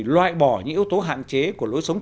loại bỏ những yếu tố hạn chế của lối sống